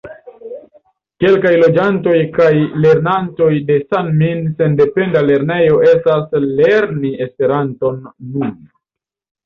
Kelkaj loĝantoj kaj lernantoj de San-Min sendependa lernejo estas lerni Esperanton nun.